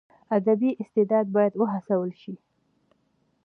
ادبي استعداد باید وهڅول سي.